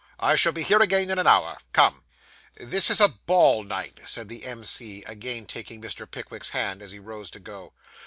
I shall be here again in an hour. Come.' 'This is a ball night,' said the M.C., again taking Mr. Pickwick's hand, as he rose to go.